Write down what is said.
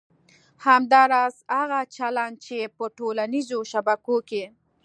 همداراز هغه چلند چې په ټولنیزو شبکو کې